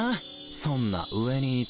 そんな上にいて。